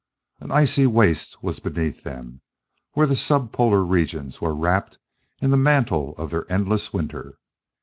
An icy waste was beneath them, where the sub polar regions were wrapped in the mantle of their endless winter.